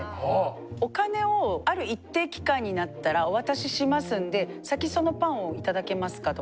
お金をある一定期間になったらお渡ししますんで先そのパンを頂けますかと。